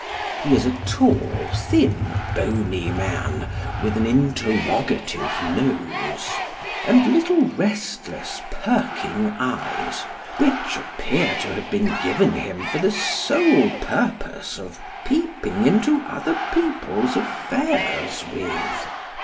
He is a tall, thin, bony man, with an interrogative nose, and little restless perking eyes, which appear to have been given him for the sole purpose of peeping into other people's affairs with.